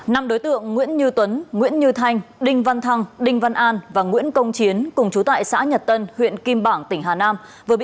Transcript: năm đối tượng nguyễn như tuấn nguyễn như thanh đinh văn thăng đinh văn an và nguyễn công chiến cùng chú tại xã nhật tân huyện kim bảng tỉnh hà nam vừa bị